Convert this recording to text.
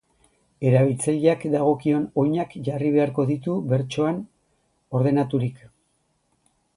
Erabiltzaileak dagokion oinak jarri beharko ditu bertsoan ordenaturik.